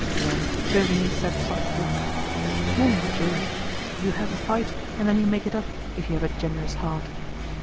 Then Virginie said softly: "Mon Dieu! you have a fight, and then you make it up, if you have a generous heart."